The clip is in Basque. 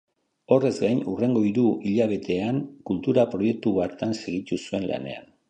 Horrez gain, hurrengo hiru hilabetean kultura-proiektu hartan segitu zuen lanean.